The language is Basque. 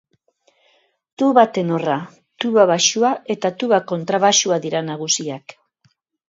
Tuba tenorra, tuba baxua eta tuba kontrabaxua dira nagusiak.